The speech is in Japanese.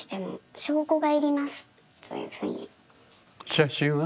写真は？